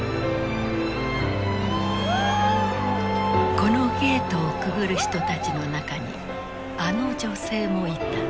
このゲートをくぐる人たちの中にあの女性もいた。